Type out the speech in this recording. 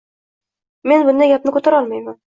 Men bunday gapni ko'tara olmayman.